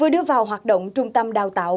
đã vào hoạt động trung tâm đào tạo